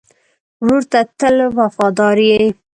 ورور ته تل وفادار یې.